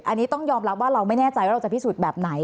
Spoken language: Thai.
อันนี้ต้องยอมรับว่าเราไม่แน่ใจว่าเราจะพิสูจน์แบบไหน